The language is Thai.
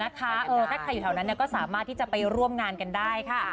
ถ้าใครอยู่แถวนั้นก็สามารถที่จะไปร่วมงานกันได้ค่ะ